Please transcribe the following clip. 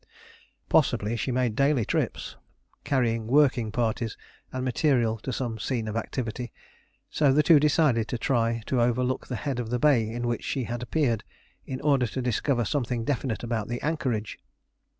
Possibly she made daily trips, carrying working parties and material to some scene of activity, so the two decided to try to overlook the head of the bay in which she had appeared, in order to discover something definite about the anchorage.